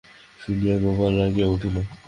শুনিয়া গোপাল রাগিয়া ওঠে।